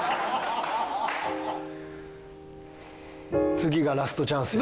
次がラストチャンスや。